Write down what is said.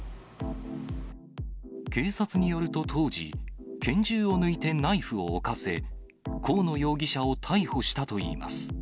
警察によると、当時、拳銃を抜いてナイフを置かせ、河野容疑者を逮捕したといいます。